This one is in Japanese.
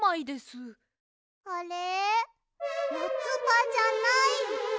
よつばじゃない！